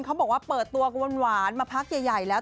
เขาบอกว่าเปิดตัวหวานมาพักใหญ่แล้ว